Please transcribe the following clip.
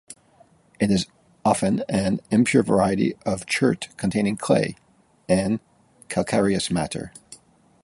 It is often an impure variety of chert containing clay and calcareous matter.